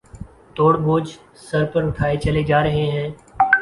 توڑ بوجھ سر پر اٹھائے چلے جا رہے ہیں